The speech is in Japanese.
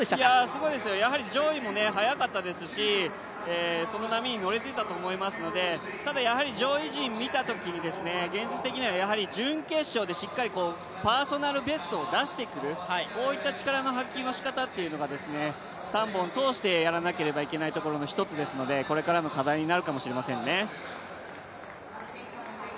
すごいですよ、上位も速かったですし、その波に乗れてたと思いますので、ただ上位陣見たときに、現実的には準決勝でしっかりパーソナルベストを出してくる、こういった力の発揮のしかたというのを３本通してやらなければいけないところの１つですので、これからの課題になるかもしれませんね。